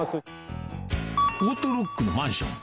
オートロックのマンション。